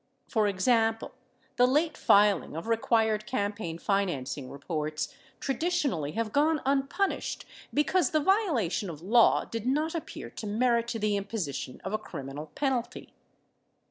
For example, the late filing of required cam paign financing reports traditionally have gone unpunished because the violation of law did not appear to merit the imposition of a crimi nal penalty.